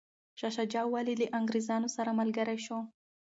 شاه شجاع ولي له انګریزانو سره ملګری شو؟